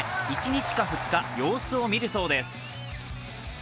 １日か２日、様子を見るそうです。